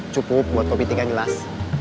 cukup buat kopi tiga yang jelas